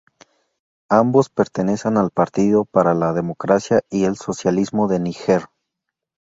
Ambos pertenecen al Partido para la Democracia y el Socialismo de Níger.